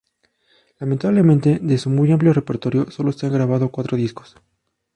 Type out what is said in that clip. Lamentablemente de su muy amplio repertorio sólo se han grabado cuatro discos.